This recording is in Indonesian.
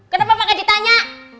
kenapa pak gedi tanya